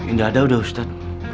nggak ada udah ustadz